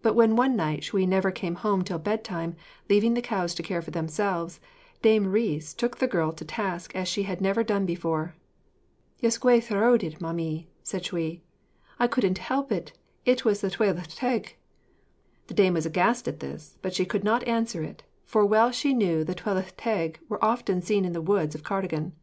But when one night Shuï never came home till bed time, leaving the cows to care for themselves, dame Rhys took the girl to task as she never had done before. 'Ysgwaetheroedd, mami,' said Shuï, 'I couldn't help it; it was the Tylwyth Teg.' The dame was aghast at this, but she could not answer it for well she knew the Tylwyth Teg were often seen in the woods of Cardigan.